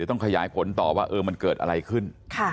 ต้องขยายผลต่อว่ามันเกิดอะไรขึ้น